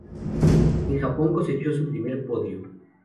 En Japón cosechó su primer podio.